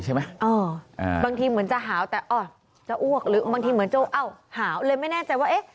ใช่ไหมบางทีเหมือนจะหาวแต่จะอ้วกหาวเลยไม่แน่ใจว่า